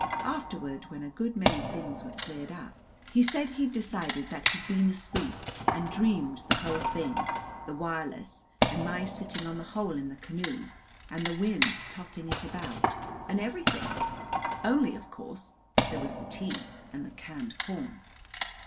Afterward, when a good many things were cleared up, he said he decided that he'd been asleep and dreamed the whole thing the wireless, and my sitting on the hole in the canoe, and the wind tossing it about, and everything only, of course, there was the tea and the canned corn!